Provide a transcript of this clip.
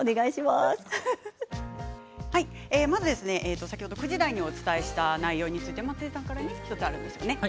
まず先ほど９時台にお伝えした内容について松井さんから、１つあります。